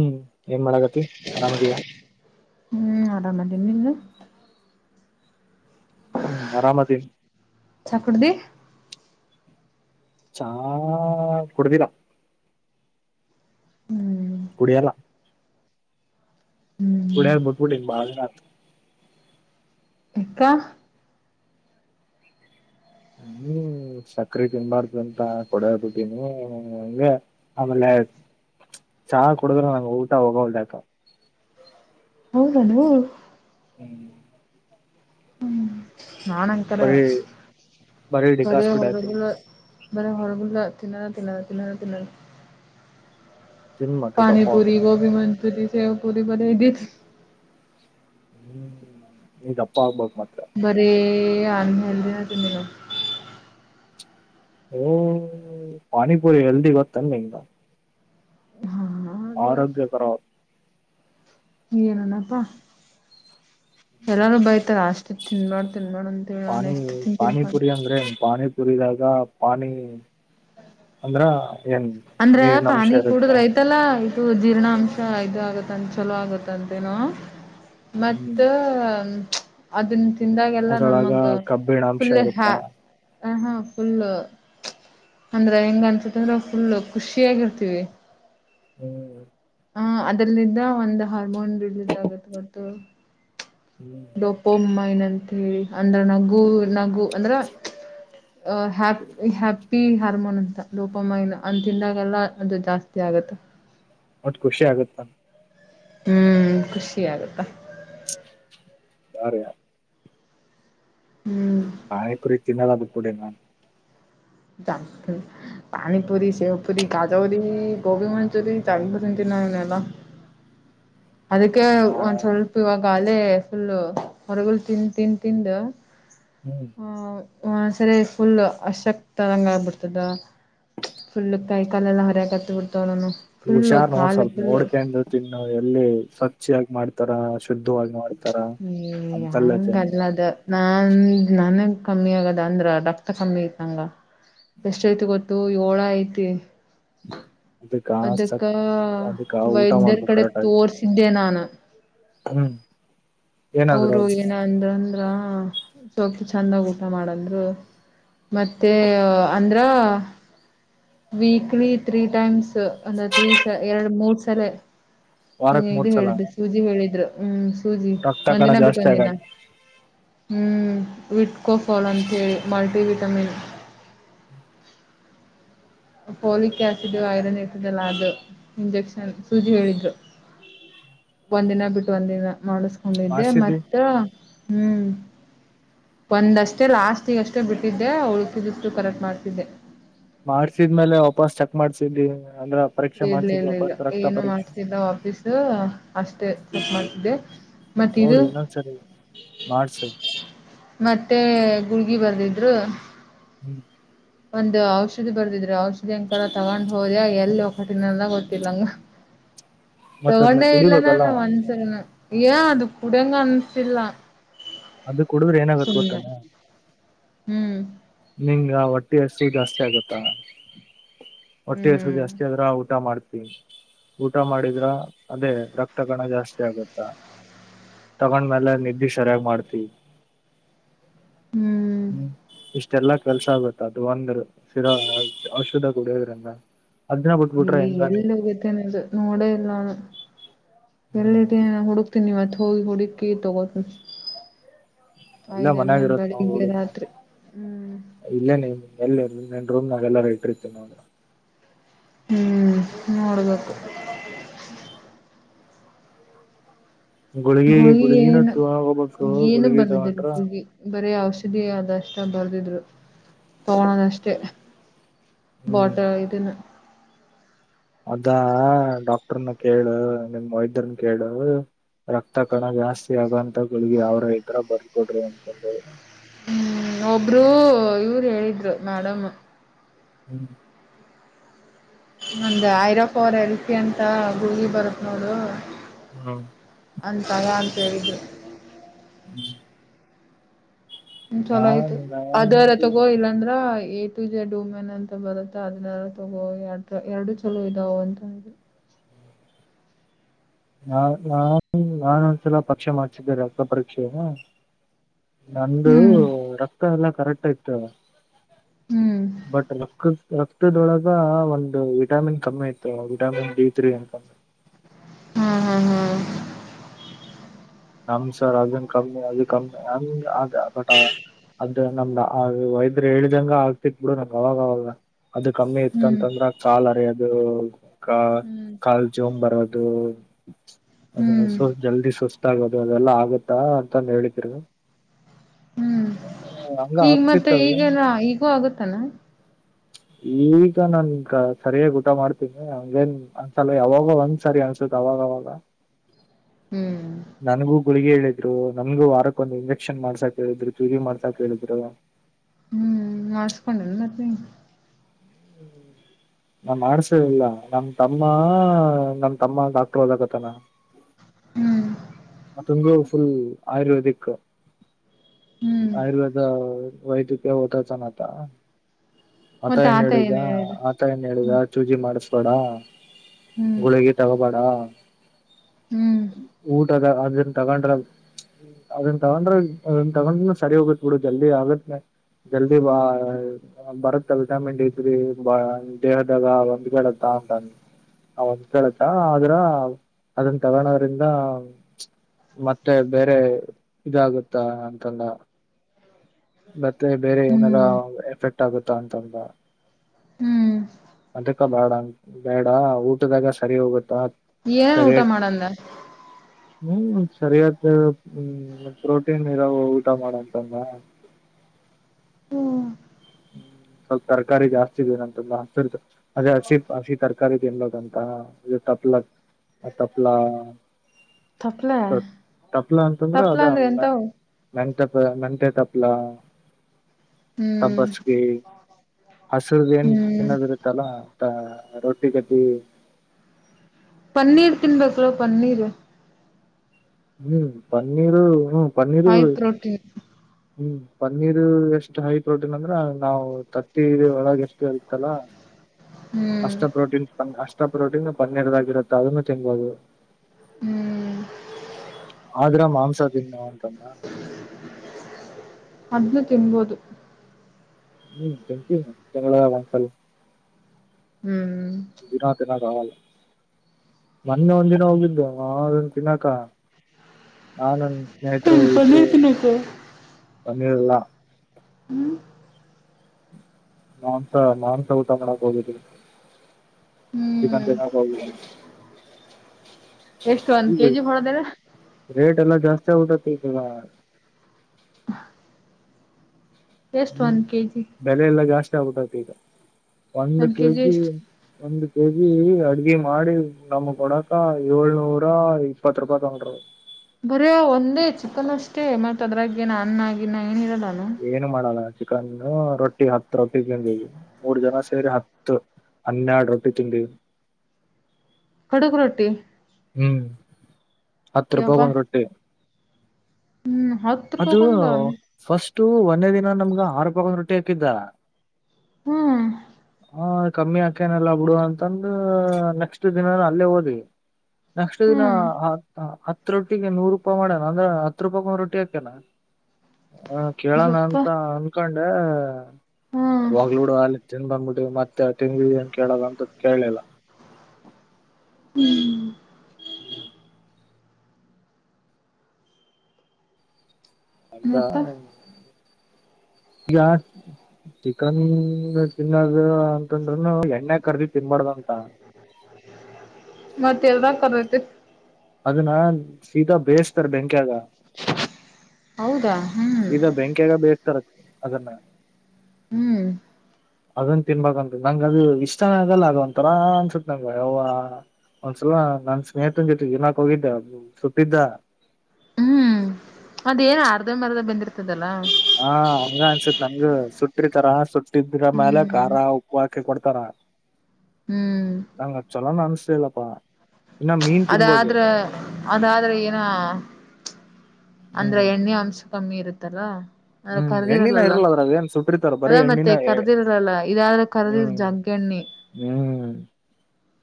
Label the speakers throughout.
Speaker 1: ಹ್ಮ್ ಏನ್ ಮಾಡಕತಿ ಆರಾಮದಿಯ
Speaker 2: ನಿನ್ನಂಗ
Speaker 1: ಹ್ಮ್ ಆರಾಮದ
Speaker 2: ಚಾ ಕುಡ್ದಿ
Speaker 1: ಚಾ ಕುಡುತಿರ
Speaker 2: ಹ್ಮ್
Speaker 1: ಕುಡಿಯಲ್ಲ
Speaker 2: ಹ್ಮ್
Speaker 1: ಕೊಡೆ ಇದ್ದೀನಿ ಬಹಳ ದಿನ ಆಯ್ತು
Speaker 2: ಹಕ್ಕಾ
Speaker 1: ಹ್ಮ್ ಸಕ್ರೆ ತಿನ್ಬಾರ್ದು ಅಂತ ಕೊಡಬಟ್ಟೀನಿ ಹಗೆ ಆಮೇಲೆ ಆಯತು ಚಾ ಕುಡುದ್ರ ನಂ ಊಟ ಹೋಗವಲ್ದಕ
Speaker 2: ಹೌದನು
Speaker 1: ಹ್ಮ್
Speaker 2: ನಾನ್ಂಕಾರೆ
Speaker 1: ಬರೀ ಬರೀ
Speaker 2: ಬರೇ
Speaker 1: ಡಿಕಾಸ್
Speaker 2: ಹೊರಗ
Speaker 1: ಕುಡ್ಯಾತೀನಿ
Speaker 2: ಬರ ಹೊರಗಲ್ಲ ತಿನೋದೇ ತಿನೋದೇ ತಿನೂದ್ ತಿನೂದ್
Speaker 1: ತಿನ್ ಮತ್ತೆ ದಪ್ಪ
Speaker 2: ಪಾನಿಪುರಿ
Speaker 1: ಆಗ್ಬೇಕ್
Speaker 2: ಗೋಬಿ ಮಂಚ್ [inaudible] ಸ ಪ ಮಾನ ಎ ದ [inaudible]
Speaker 1: ಹ್ಮ್ ಈಗಪ್ಪ ಆಗ್ಬ ಮತ್ತೆ
Speaker 2: ಬರಿ ಉನ್ಹೆಅಲ್ತ್ ತಿಂದನ ನೋಡ್
Speaker 1: ಹಓ ಪಾನಿಪುರಿ ಹೆಲ್ದಿ ಗೊತ್ತನ್ ನಿನಗ
Speaker 2: ಹಾ ಹಾಗೆ
Speaker 1: ಆರೋಗ್ಯಕರ
Speaker 2: ಏನಣಪ್ಪಾ ಎಲ್ಲಾರು ಬೈತಾರೆ ಅಷ್ಟು ತಿನ್ ಮಾಡಾ ತಿನ್ ಮಾಡಾ ಅಂತ ಹೇಳ ನಾನು ಎಷ್ಟು ತಿನ್ಂತನ್ಪಾನ [inaudible]
Speaker 1: ಸುರಿದಾಗ ಪಾನಿ ಅಂದ್ರ ಏನ್
Speaker 2: ಅಂದ್ರ
Speaker 1: ನೀರಿನ ಅಂಶ
Speaker 2: ಪಾನಿ
Speaker 1: ಇರುತ್ತ
Speaker 2: ಕೂಡದ್ರ ಏತಳ ಜೀರ್ಣಾಂಶ ಇದು ಆಗತ್ತಂತ ಚಲೋ ಆಗತ್ತಂತೇನೋ ಮತ್ತ
Speaker 1: ಹ್ಮ್
Speaker 2: ಅದ ತಿಂದಾಗೆಲ್ಲಾ
Speaker 1: ಅದ್ರೊಳಗ
Speaker 2: ನಮಗ
Speaker 1: ಕಬ್ಬಿಣ ಅಂಶ
Speaker 2: ಫುಲ್
Speaker 1: ಇರುತ್ತ
Speaker 2: ಹಾ ಹ ಹಾ ಫುಲ್ ಅಂದ್ರೆ ಹೆಂಗ ಅನ್ಸತ ಅಂದ್ರೆ ಫುಲ್ ಖುಷಿಯಾಗಿರ್ತೀವಿ
Speaker 1: ಹ್ಮ್
Speaker 2: ಹ ಅದರಿಲ್ಲಿಂದ ಒಂದು ಹಾರ್ಮೋನ್ ರಿಲೀಸ್ ಆಗತ್ ಗೊತ್ತು
Speaker 1: ಹ್ಮ್
Speaker 2: ಡೊಪೋಮೆನ ಏನಂತ ಹೇಳಿ ಅಂದ್ರ ನಗು ನಗು ಅಂದ್ರೆ ಹ ಹ್ಯಾ ಹ್ಯಾಪಿ ಹಾರ್ಮೋನ್ ಅಂತ ಡೂಪಮೈನ್ ಅಂತಿಂದಾಗೆಲ್ಲ ಅದು ಜಾಸ್ತಿ ಆಗತ್ತ
Speaker 1: ಒಟ್ ಖುಷಿ ಆಗುತ್ತ
Speaker 2: ಹ್ಮ್ ಖುಷಿ ಆಗುತ್ತಾ
Speaker 1: ಸಾರೆಯಾ [inaudible]
Speaker 2: ಹ್ಮ್
Speaker 1: ಪಾನಿಪುರಿ ತಿನ್ನದ ಬ ಬಿಟ್ಟಬಿಟ್ಟಿನಿ
Speaker 2: ಪಾನಿ ಪುರಿ ಶೇವ ಪುರಿ ಗಾಜರಿ ಗೋಬಿ ಮಂಜೂರಿ ನಲ್ಲಾ [unintelligible] ಅದಕ್ಕೆ ಒಂದ ಸ್ವಲ್ಪ ಇವಾಗ ಅಲ್ಲೇ ಫುಲ್ಲು ಹೊರಗಗಳು ತಿನ್ ತಿನ್ ತಿಂದು
Speaker 1: ಹ್ಮ್
Speaker 2: ಆ ಒ ಸರಿ ಫುಲ್ ಅಶಕ್ತದಂಗ ಆಗಿಬಿಡ್ತದ ಫುಲ್ ಕೈ ಕಾಲೆಲ್ಲ ಅರಿಕತ್ತು
Speaker 1: ಹುಷಾರ್ ನೋಡ್ ಸ್ವಲ್ಪ ನೋಡ್ಕಂಡ ತಿನ್ನು ಎಲ್ಲಿ ಸ ಹೆಚ್ಚಿಯಾಗಿ ಮಾಡ್ತಾರಾ ಶುದ್ಧವಾಗಿ ಮಾಡ್
Speaker 2: ಹ ಹಂಗಲ್ಲದ ನನ್ ನನಗ್ ಕಮ್ಮಿ ಆಗದ ಅಂದ್ರ ರಕ್ತ ಕಮ್ಮಿ ಐತ ನಂಗ ಎಷ್ಟ ಐತಿ ಗೊತ್ತು ಏಳ ಐತಿ ಅದಕ್ಕ
Speaker 1: ಅದಕ್ಕ ಊಟ
Speaker 2: ವೈದ್ಯರ
Speaker 1: ಮಾಡ್ಬೇಕು
Speaker 2: ಕಡೆ
Speaker 1: ಕರೆಕ್ಟ್ ಆಗಿ
Speaker 2: ತೋರ್ಸಿದ್ದೆ ನಾನು
Speaker 1: ಹ್ಮ್ ಏನಾದ್ರು
Speaker 2: ಅವರು
Speaker 1: ಅವ್ರು
Speaker 2: ಏನ ಅಂದ್ರ ಅಂದ್ರ ಸ್ವಲ್ಪ ಚಂದಾಗ ಊಟ ಮಾಡದ್ರು ಮತ್ತೆ ಅಂದ್ರ ವೀಕ್ಲಿ ತ್ರೀ ಟೈಮ್ಸ್ ಒಂದ ತ್ರೀ ಸ ಎರಡು ಮೂರ್ ಸಲ
Speaker 1: ವಾರಕ್ ಮೂರ್
Speaker 2: ಇದು
Speaker 1: ಸಲ
Speaker 2: ಹೇಳಿದ್ ಸೂಜಿ ಹೇಳಿದ್ರು ಹ್ಮ್ ಸೂಜಿ
Speaker 1: ರಕ್ತ ಕಣ
Speaker 2: ಒಂದಿನ ಬಿಟ್ಟು
Speaker 1: ಜಾಸ್ತಿ
Speaker 2: ಒಂದ ದಿನ
Speaker 1: ಆಗಲ್ಲ
Speaker 2: ಹ್ಮ್ ವಿಟ್ಕೋಫಾಲ್ ಅಂತೇಳಿ multi vitamin folic acid iron ಇರ್ತದಲ್ಲ ಅದು ಇಂಜೆಕ್ಷನ್ ಸೂಜಿ ಹೇಳಿದ್ರು ಒಂದಿನ ಬಿಟ್ಟು ಒಂದಿನ ಮಾಡಿಸಕೊಂಡಿದ್ದೆ
Speaker 1: ಮಾಡ್ಸಿದಿ
Speaker 2: ಮತ್ತ ಹ್ಮ್ ಒಂದಷ್ಟೇ ಲಾಸ್ಟಗ ಅಷ್ಟೇ ಬಿಟ್ಟಿದ್ದೆ ಉಳಕಿದಷ್ಟು ಕರೆಕ್ಟ್ ಮಾಡ್ತಿದ್ದೆ
Speaker 1: ಮಾಡ್ಸಿದ್ಮೇಲೆ ವಾಪಸ್ ಚೆಕ್ ಮಾಡ್ಸಿದಿ ಅಂದ್ರ ಪರೀಕ್ಷೆ
Speaker 2: ಇಲ
Speaker 1: ಮಾಡ್ಸಿದ್ವಿ
Speaker 2: ಇಲ್ಲ ಇಲ್ಲ
Speaker 1: ವಾಪಸ್ ರಕ್ತ
Speaker 2: ಏನು
Speaker 1: ಪರೀಕ್ಷೆ
Speaker 2: ಮಾಡ್ತಿಲ್ಲ ಆಫೀಸ್ ಅಷ್ಟೇ ಚಟ್ ಮಾಡ್ತಿದ್ದೆ ಮತ್ ಇದು
Speaker 1: ನೋಡಿ ಇನ್ನೊಂದ್ ಸರಿ ಮಾಡಸ
Speaker 2: ಮತ್ತೆ ಗುಳಿಗಿ ಬರ್ದಿದ್ರು
Speaker 1: ಹ್ಮ್
Speaker 2: ಒಂದು ಔಷಧಿ ಬರ್ದಿದ್ರೆ ಔಷಧಿ ಅಂಕಕಾರ ತಗೊಂಡ್ ಹೋದೆ ಎಲ್ಲಿ ಒಟ್ಟಿನಲ್ಲ ಗೊತ್ತಿಲ್ಲಂಗ
Speaker 1: ಮತ್ತ ಅದ್ನ
Speaker 2: ತಗೊಂಡೆ ಇಲ್ಲಾನ
Speaker 1: ಕುಡಿಬೇಕಲ್ಲ
Speaker 2: ನಾ ಅನ್ಸನ ಏನ್ ಅದು ಕುಡಂಗ ಅನ್ಸಿಲ್ಲಾ
Speaker 1: ಅದು ಕುಡಿದ್ರೆ ಏನಾಗತ್ ಗೊತ್ತಾನ
Speaker 2: ಹ್ಮ್
Speaker 1: ನಿಂಗ ಹೊಟ್ಟಿ ಹಸು ಜಾಸ್ತಿ ಆಗತ್ತಾ ಹೊಟ್ಟಿ ಹಸು
Speaker 2: ಹ್ಮ್
Speaker 1: ಜಾಸ್ತಿ ಆದ್ರ ಊಟ ಮಾಡ್ತ ಊಟ ಮಾಡಿದ್ರ ಅದೇ ರಕ್ತ ಕಣ ಜಾಸ್ತಿ ಆಗುತ್ತಾ ತಗೊಂಡ್ಮ್ಯಲೆ ನಿದ್ದ್ರ ಸರಿಯಾಗಿ ಮಾಡ್ತೀವಿ ಹ್ಮ್ ಷ್ಟಲ್ಲಾ ಕೆಲ್ಸ ಆಗುತ್ತೆ ಅದು ಒಂದ ಶರ ಔಷಧ ಕುಡಿಯೋದ್ರಿಂದ ಅದ್ನ ಬಿಟ್ಬಿಟ್ರೆ
Speaker 2: ಹಏ
Speaker 1: ಹೆಂಗ ನೀ
Speaker 2: ಎಲ್ಲೋಗ್ಯತನೆದು ನೋಡ ಎಲ್ಲಾನ
Speaker 1: ಹ್ಮ್
Speaker 2: ಎಲ್ಲ ಹುಡುಕ್ತೀನಿ ಮತ್ತೆ ಹೋಗಿ ಹುಡುಕಿ ತಗೋ
Speaker 1: ಎಲ್ಲ ಮನ್ಯಾಗ ಇರತ್ ನಾವು ನೋಡಕ್ಕು
Speaker 2: ರಾತ್ರಿ ಹ್ಮ್
Speaker 1: ಇಲ್ಲೇನೆ ಎಲ್ಲಿ ಇರಿಲ್ಲ ರೂ ನಲ್ಲ ರ ಇಟ್್ರತೀನೋ್ರ
Speaker 2: ಹ್ಮ್ ನೋಡ್ಬೇಕು ಗುಳಗಿ
Speaker 1: ಗುಳಗಿನ
Speaker 2: ಏನು
Speaker 1: ತಗೋಬೇಕು
Speaker 2: ಏನು
Speaker 1: ಗುಳಗಿ
Speaker 2: ಬಂದದ
Speaker 1: ತಗೊಂಡ್ರ
Speaker 2: ಹುಳ್ಗಿ ಬರ ಯಾವ ಔಷದಿ ಅದಷ್ಟ ಬರ್ದಿದ್ರು ತಗಳದಷ್ಟೇ
Speaker 1: ಹ್ಮ್
Speaker 2: ಬೋಟ ಇನ್ನು
Speaker 1: ಅದಾ ಡಾಕ್ಟರ್ನು ಕೇಳು ನಿಮ್ ವೈದ್ಯರನು ಕೇಳು ರಕ್ತ ಕಣ ಜಾಸ್ತಿ ಆಗೋಂತ ಗಿಗೆ ಯಾವರ ಇದ್ರ ಬರ್ಕೊಡ್ರಿ ಅಂತಂದ
Speaker 2: ಹ್ಮ್ ಒಬ್ರು ಇವ್ರು ಹೇಳಿದ್ರು ಮೇಡಮ್
Speaker 1: ಹ್ಮ
Speaker 2: ನಂದ ಐರಪ್ಪ ಅವರ ರೀತಿ ಅಂತ ಗೂಗಿ ಬರುತ್ ನೋದು
Speaker 1: ಹ್ಮ್
Speaker 2: ಅಂತ ನಂತಂತರುದು
Speaker 1: ಹ್ಮ
Speaker 2: ಚಲೋ ಆಯ್ತು ಅದಾರ
Speaker 1: ನಂದು
Speaker 2: ತಗೋ ಇಲ್ಲ ಅಂದ್ರ ಆಯ್ತು ಎ ಟು ಜೆಡ್ ವುಮೆನ್ ಅಂತ ಬರುತ್ತೆ ಅದ್ರ ತಗೋ ಎರಡ ಎರಡು ಚಲೋ ಇದಾವ ಅಂತ ಇದು
Speaker 1: ನಾ ನಾನ್ ನಾನಂದ್ಸಲ ಪಕ್ಷೆ ಮಾಡ್ಸಿದ್ದೇನೆ ಅಕ್ಕ ಪರೀಕ್ಷೆಯನ ನಂದು
Speaker 2: ಹ್ಮ್
Speaker 1: ರಕ್ತ ಎಲ್ಲಾ ಕರೆಕ್ಟ್ ಆಯತ
Speaker 2: ಹ್ಮ್
Speaker 1: ಬಟ್ ರಕ್ಕ ರ ಹಟ್ಟದೊಳಗ ಒಂದು ವಿಟಮಿನ್ ಕಮ್ಮಿ ಇತ್ತು ವಿಟಾಮಿನ್ ಡಿ ತ್ರೀ ಅಂತ
Speaker 2: ಹಾ ಹಾ ಹಾ
Speaker 1: ನಮ ಸರ್ ಅದನ್ ಕಮ್ಮಿ ಅದು ಕಮ್ಮಿ ಅ ಅದ ನಮ್ದ ಆ ವೈದ್ಯರು ಹೇಳಿದಂಗ ಆಗ್ತಿದ ಬಿಡು ನಂಗ್ ಅವಾಗ ಅವವಾಗ ಅದ ಕಮ್ಮಿ ಇತ್ತ
Speaker 2: ಹ್ಮ್
Speaker 1: ಅಂತಂದ್ರೆ ಸಾಲರಿ ಅದು ಕ
Speaker 2: ಹ್ಮ್
Speaker 1: ಕಾಲ್ ಜೋಂಬ್ ಬರೋದು ಹ
Speaker 2: ಹ್ಮ್
Speaker 1: ಸು ಜಲ್ದಿ ಸುಸ್ತ ಆಗೋದು ಅದೆಲ್ಲಾ ಆಗತ್ತಾ ಅಂತಾನ ಹೇಳಿದರಗ
Speaker 2: ಹ್ಮ್
Speaker 1: ಹ್ಮ
Speaker 2: ಈಗ ಮತ್ತೆ ಈಗನ ಈಗೂ ಆಗತ್ತಾನ
Speaker 1: ಈಗ ನನ್ ಸರಿಯ ಊಟ ಮಾಡ್ತೀನಿನ್ ಅನ್ಸಲ ಯಾವಾಗ ಒಂದ್ ಸರಿ ಅನ್ಸುತ್ತ ಅವಾಗ ಹಾ
Speaker 2: ಹ್ಮ್
Speaker 1: ನನ್ಗೂ ಗುಳಿಗೆ ಹೇಳಿದ್ರು ನನ್ಗೂ ವಾರಕ್ಕೊ ಒಂದು ಇಂಜೆಕ್ಷನ್ ಮಾಡ್ಸಾಕ್ ಹೇಳಿದ್ರು ತ್ಯೂರಿ ಮಾಡ್ಸಾಕ್ ಹೇಳಿದ್ರು
Speaker 2: ಹ್ಮ್ ಮಾಡಳ್ಸ್ಕೊಂಡಿಲ್ಲ ಮತ್ತ
Speaker 1: ಹ್ಮ್ ನಾ ಮಾಡಸದಿಲ್ಲ ನಮ ತಮ್ಮ ನಮ್ ತಮ್ಮ ದಾಕ್ಲೋದಾಗತನ
Speaker 2: ಹ್ಮ್
Speaker 1: ಅದುಂಗೂ ಫುಲ್ ಆಯುರ್ವೇದಿಕ್
Speaker 2: ಹ್ಮ್
Speaker 1: ಆಯುರ್ವೇದ ವೈದ್ಯಕೀಯ ಹೊತ ಚಾನತ ಆತ ಏನ್ ಹೇಳುದ ಆತ ಏನ್ ಹೇಳಿದ ಚೂಜಿ ಮಾಡಿಸಬೇಡ
Speaker 2: ಹ್ಮ್
Speaker 1: ಗುಳಿಗೆ ತಗೋಬೇಡ
Speaker 2: ಹ್ಮ್
Speaker 1: ಊಟದ ಇದನ್ ತಗೊಂಡ್ರ ಅದನ್ ತಗೊಂಡ್ರ ಅದನ್ ತಗೊಂಡ್ರ ಸರಿ ಹೋಗತ್ ಬಿಡು ಜಲ್ದಿ ಆಗತ್ ಜಲ್ದಿ ಬ ಬರುತ್. ಾಮಿಂಟ್ ಐತ್ರಿ ದೇಹದಾಗ ಒಂದ್ ಕಡತ್ತ ಉಂಟ ಒಂದ ಕತ ಆದ್ರ ಅದನ್ ತಗೊಂಡವ್ರಂದ ಮತ್ತೆ ಬೇರೆ ಇದಾಗುತ್ತ ಅಂತಲ್ಲ ಮತ್ತೆ ಬೇರೆ
Speaker 2: ಹ್ಮ್
Speaker 1: ಏನಾರ ಎಫೆಕ್ಟ್ ಆಗುತ್ತಾ ಅಂತ್ರ
Speaker 2: ಹ್ಮ್
Speaker 1: ಅದಕ್ಕ ಬೇಡ ಬೇಡ ಊಟದಾಗ ಸರಿ ಹೋಗುತ್ತಾ
Speaker 2: ಏನನ್ ಊಟ
Speaker 1: ಸರಿಯಾಗಿ
Speaker 2: ಮಾಡಂದ
Speaker 1: ಹ್ಮ್ ಸರಿಯತ್ಮ ಪ್ರೋಟೀನ್ ಇರ ಊಟ ಮಾಡಂತಂದ
Speaker 2: ಹ್ಮ [inaudible] [inaudible]
Speaker 1: ಸ್ವಲ್ಪ ತರಕಾರಿ ಜಾಸ್ತಿ ಇದೇನಂತ ಹ ಅದ ಹಸಿ ಹಸಿ ತರಕಾರಿ ತಿನ್ಬೋದಂತ.. ಲ ಆತ್ತಪಲ
Speaker 2: ತಪ್ಲ
Speaker 1: ತಪ್ಲ ಅಂತಂದ್ರೆ
Speaker 2: ತಪ್ಲ
Speaker 1: ಅದ
Speaker 2: ಅಂದ್ರೆ ಎಂತವು
Speaker 1: ನೆನ್ ತಪ್ ನೆಂಟೆ ತಪ್ಲ
Speaker 2: ಹ್ಮ್
Speaker 1: ಸಬ್ಬಸ್ಕಿ ಹಸಿರುದ ಏನ್
Speaker 2: ಹ್ಮ್
Speaker 1: ಏನದ್ ಇರುತ್ತಲ್ಲ ರೊಟ್ಟಿ ಕದ್ದಿ
Speaker 2: ಪನ್ನೀರ್ ತಿನ್ಬೇಕಳು ಪನ್ನೀರ್
Speaker 1: ಹ್ಮ್ ಪನ್ನೀರು ಹ್ಮ್ ಪನ್ನೀರು
Speaker 2: ಹೈ ಪ್ರೋಟೀನ್
Speaker 1: ಹ್ಮ್ ಪನ್ನೀರ್ ಎಷ್ಟು ಹೈ ಪ್ರೋಟೀನ್ ಅಂದ್ರ ನಾವವು ತತ್ತಿ ಒಳಗೆ ಎಷ್ಟು ಎಲ್ತಲ್ಲ
Speaker 2: ಹ್ಮ್
Speaker 1: ಅಷ್ಟ ಪ್ರೋಟೀನ್ ಅಷ್ಟ ಪ್ರೋಟೀನ್ ಪನ್ನೆರದಾಗಿರುತ್ತೆ ಅದನ್ನು ತಿನ್ಬೋದು
Speaker 2: ಹ್ಮ್
Speaker 1: ಆದ್ರ ಮಾಂಸ ತಿನ್ನು ನವ ಅಂತಮ್ಮ
Speaker 2: ಅದನ್ನು ತಿನ್ಬೋದು
Speaker 1: ಹ್ಮ್ ಚ ಚ ಮಾಸಲು
Speaker 2: ಹ್ಮ್
Speaker 1: ದಿನಾ ದಿನಾಗವಲ್ಲ ಮೊನ್ನೆ ಒಂದ್ ದಿನ ಹೋಗಿದ್ದು ಆ ತಿನಾಕ ನಾನನ್ ಸ್ನೇಹಿತರು
Speaker 2: ಹ್ಮ್
Speaker 1: ಇಬ್ರು
Speaker 2: ಪನ್ನೀರ್ ತಿನ್ನೋಕೆ
Speaker 1: ಬಂದಿಲ್ಲಾ
Speaker 2: ಹ್ಮ್
Speaker 1: ಮಾನ್ಸ ಮಾನ್ಸ ಊಟ ಮಾಡಕ್ ಹೋಗಿದಿ ಚಿಕನ್
Speaker 2: ಹ್ಮ್
Speaker 1: ತಿನ್ನೋಕೆ ಹೋಗಿದ್ದೆ
Speaker 2: ಎಷ್ಟು ಒಂದ್ ಕೆಜಿ ಹೊಳದರ
Speaker 1: ರೇಟ್ ಎಲ್ಲ ಜಾಸ್ತಿ ಆಗಟತಿ ಈಗ
Speaker 2: ಎಷ್ಟು
Speaker 1: ಹ್ಮ್
Speaker 2: ಒಂದ್ ಕೆಜಿ
Speaker 1: ಬೆಲೆ ಎಲ್ಲಾ ಜಾಸ್ತಿ ಆಗ್ಬಟ ಒಂದು
Speaker 2: ಒಂದ್
Speaker 1: ಕೆಜಿ
Speaker 2: ಎಷ್ಟು
Speaker 1: ಒಂದು ಕೆಜಿ ಅಡ್ಗೆ ಮಾಡಿ ನಮ್ಗ್ ಕೊಡಕ ಏಳ್ನೂರ ಇಪ್ಪತ್ ರೂಪಾಯಿ ತಗೊಂಡ್ರ
Speaker 2: ಬರ್ಯ ಒಂದೇ ಚಿಕನ್ ಅಷ್ಟೇ ಮತ್ ಅದ್ರಾಗಗೆ ನ ಅನ್ನಾಗಿಿನ ಏನಿರಲ್ಲ
Speaker 1: ಏನು ಮಾಡಲ್ಲ ಚಿಕನ್ ರೊಟ್ಟಿ ಹತ್ರ ರೊಟ್ಟಿ ಹಂಗ ಮೂರ್ ಜನ ಸೇರಿ ಹತ್ತು ಹನ್ನೆರಡು ರೊಟ್ಟಿ ತಿಂಡ
Speaker 2: ಕಡಕ್ ರೊಟ್ಟಿ
Speaker 1: ಹ್ಮ್ ಹತ್ರ
Speaker 2: ಯಪ್ಪಾ
Speaker 1: ರೂಪೋಗಂದ ರೊಟ್ಟಿ
Speaker 2: ಹ್ಮ್ ಹತ್ತು
Speaker 1: ಅದು
Speaker 2: ರೂಪಾಯಿಗೊಂದ
Speaker 1: ಫಸ್ಟ್ ಇಷ್ಟು ಒಂದೇ ದಿನ ನಮ್ಗ ಆರ ಪಕ ರೊಟ್ಟಿ ಹಾಕಿದ್ದ
Speaker 2: ಹ್ಮ್
Speaker 1: ಆ ಕಮ್ಮಿ ಅಾಕೇನೆಲ್ಲಾ ಬಿಡು ಅಂತಂದ ನೆಕ್ಸ್ಟ್ ದಿನ ಅಲ್ಲೇ ಓದ್ವಿ ನೆಕ್ಸ್ಟ್ ದಿನ
Speaker 2: ಹ್ಮ್
Speaker 1: ಹತ್ ರೊಟ್ಟಿಗೆ ನೂರು ರೂಪಾಯಿ ಮಾಡಣ ಅಂದ್ರೆ ಹತ್ತು ರೂಪಾಯ ಒಂದ್ ರೊಟ್ಟಿ ಆಾ ಹ ಕೇಳೋಣ
Speaker 2: ಯಪ್ಪ
Speaker 1: ಅಂತ ಅನ್ಕೊಂಡೆ
Speaker 2: ಹ್ಮ್
Speaker 1: ಒಗ್ಲೂಡು ಅ ತಿನ್ ಬಂದ್ ಮತ್ತೆ ತಿಂದ ಏನ್ ಕೇಳದ ಅಂತ ಕೇಳಿಲ್ಲ.
Speaker 2: ಹ್ಮ್
Speaker 1: ಹ್ಮ್ ಅದ
Speaker 2: ಮತ್ತ
Speaker 1: ಯ ಚಿಕನ್ ತಿನ್ನದ ಅಂತಂದ್ರನು ಎಣ್ಣೆ ಕರ್ದಿ ತಿನ್ಬಾರ್ದಂತ!
Speaker 2: ಮತ್ತೆ ಎಲ್ರ ಕರೈತೆ
Speaker 1: ಅದನ್ನ ಸೀತಾ ಬೇಯಸ್ತಾರೆ ಬೆಂಕ್ಯಾಗ
Speaker 2: ಹೌದಾ ಹ್ಮ್
Speaker 1: ಸಿದ ಬೆಂಕಿಯಾಗ ಬೇಯಿಸತಾರ ಅದನ್ನ
Speaker 2: ಹ್ಮ್
Speaker 1: ಅದನ್ ತಿನ್ಬಕ್ಂತ ನಂಗ ಅದು ಇಷ್ಟ ಆಗಲ್ಲ ಆಗ ಒಂಥರಾ ಅನ್ಸತ್ ನಂಗ ಯವ್ ಒಂದ್ಸಲ ನನ್ ಸ್ನೇಹಿತಂದತ್ ಏನಕ್ ಹೋಗಿದ್ದೆ ಸುಟ್ಟಿದ್ದ
Speaker 2: ಹ್ಮ್ ಅದೇಏನ ಅರ್ಧ ಮರ್ದ ಬಂದಿರ್ತದಲ್ಲ
Speaker 1: ಹ ಹಂಗ ಅನ್ಸತ್ ನಂಗ ಸುಟ್ಟಿರ್ತಾರ ಸುಟ್ಟಿದ್ರ ಮ್ಯಾಲ ಖಾರ ಉಪ್ಪ ಹಾಕಿ ಕೊಡ್ತಾರ
Speaker 2: ಹ
Speaker 1: ನಾಂಗ ಅಚ್ಚಲ್ಲ ಅನ್ಸಿದಲ್ಲಪ್ಪ
Speaker 2: ಅದಾದ್ರ ಅದಾದ್ರೆ ಏನ
Speaker 1: ಹ್ಮ್
Speaker 2: ಅಂದ್ರೆ ಎಣ್ಣೆ ಅಂಶ ಕಮ್ಮಿ ಇರುತ್ತಲ್ಲ ಅಂದ್ರೆ
Speaker 1: ಹ್ಮ್ ಎಣ್ಣಿನ
Speaker 2: ಕರ್ದಿರಲ್ಲಲ್ಲ
Speaker 1: ಇರಲ್ಲ ಅದ್ರಾಗ ಏನ್ ಸುಟ್ಟಿರ್ತಾರ ಬರೀ
Speaker 2: ಅದಾ ಮತ್ತೆ
Speaker 1: ಎಣ್ಣಿನ ಎ-
Speaker 2: ಕರ್ದಿರಲ್ಲಲ್ಲ ಇದಾದ್ರೂ ಕರ್ದಿರ್
Speaker 1: ಹ್ಮ್
Speaker 2: ಜಗ್ಗೆಣ್ಣಿ
Speaker 1: ಹ್ಮ್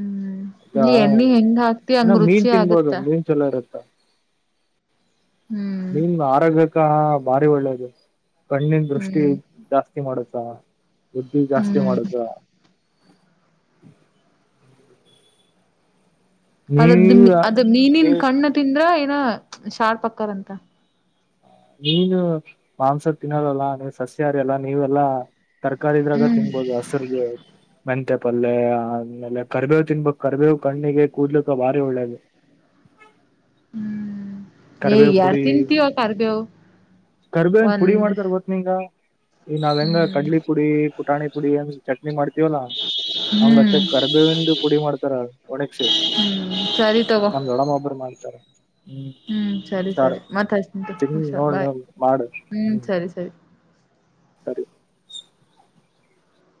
Speaker 2: ಹ್ಮ್
Speaker 1: ಈಗ
Speaker 2: ನೀ ಎಣ್ಣಿ ಹೆಂಗ್ ಹಾಕ್ತಿ
Speaker 1: ಇನ್ನ
Speaker 2: ಹಂಗ
Speaker 1: ಮೀನ್
Speaker 2: ರುಚಿ
Speaker 1: ತಿನ್ಬೋದು
Speaker 2: ಆಗತ್ತ
Speaker 1: ಮೀನ್ ಚಲೋ
Speaker 2: ಹ್ಮ್
Speaker 1: ನೀನ್ ಆರೋಗ್ಯಕ ಭಾರಿ ಒಳ್ಳೇದು ಕಣ್ಣಿನ ದೃಷ್ಟಿ
Speaker 2: ಹ್ಮ್
Speaker 1: ಜಾಸ್ತಿ ಮಾಡೋದು. ಬುದ್ಧಿ ಜಾಸ್ತಿ
Speaker 2: ಹ್ಮ್
Speaker 1: ಮಾಡುದ
Speaker 2: ಅದದ್ದ
Speaker 1: ನೀವ
Speaker 2: ಅದ ಮೀನಿನ
Speaker 1: ನೀವ್
Speaker 2: ಕಣ್ಣು ತಿಂದ್ರ ಏನ ಶಾರ್ಪ ಅಕ್ಕರ್ಂತ
Speaker 1: ನೀನು ಮಾಂಸ ತಿನ್ನದಲ್ಲ ನೀವ ಸಸ್ಯಾರಿ ಎಲ್ಲ ನೀವೆಲ್ಲಾ ತರಕಾರಿ ಇದ್ರಾಗ
Speaker 2: ಹ್ಮ್
Speaker 1: ತಿನ್ಬಹದು ಹಸ್ರಗೆ ಮೆಂತೆ ಪಲ್ಲೇ ಆಮೇಲೆ ಕರ್ಬೇವು ತಿನ್ಬೇಕಕ್ ಕರ್ಬೇವು ಕಣ್ಣಿಗೆ ಕೂದಲಿಕ್ಕ ಭಾರಿ ಒಳ್ಳೇದು
Speaker 2: ಹ್ಮ್ ನೀ ಯಾರ ತಿನ್ಂತವ ಕಾರಬವು
Speaker 1: ಕರ್ಬೇವನ್ ಪುಡಿ ಮಾಡ್ತಾರ ಗತ್ ನೀಂಗ ಈ ನಾವ್ ಹೆಂಗ
Speaker 2: ಹ್ಮ್ ಹ್ಮ್
Speaker 1: ಕಡಲಿ ಪುಡಿ ಪುಟಾಣಿ ಪುಡಿ ಹೆಂಗ ಚಟ್ನಿ ಮಾಡ್ತೀವಲ್ಲಾ ಆಂಗ್ತೇ
Speaker 2: ಹ್ಮ್
Speaker 1: ಕರ್ಬೇ ವಿಂದು ಪುಡಿ ಮಾಡ್ತಾರ ಒಣಕ್ಸೀ
Speaker 2: ಸರಿ ತಗೋ
Speaker 1: ನಮ್ದೊಡಮ್ಮ ಒಬ್ಬರು ಮಾಡ್ತಾರ.
Speaker 2: ಹ್ಮ್ ಸರಿ
Speaker 1: ಹುಷಾರ್
Speaker 2: ಸರಿ ಮತ್ ಹಚ್ತಿನ್ ತೊ
Speaker 1: ತಿಂದ್
Speaker 2: ಹುಷಾರ್
Speaker 1: ನೋಡ್
Speaker 2: ಬಾಯ್
Speaker 1: ನೀವ್ ಮಾಡು
Speaker 2: ಹ್ಮ್ ಸರಿ ಸರಿ.
Speaker 1: ಸರಿ